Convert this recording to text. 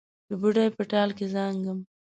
د بوډۍ په ټال کې زانګم